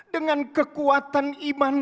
dengan kekuatan iman